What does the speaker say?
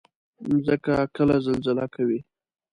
مځکه کله زلزله کوي.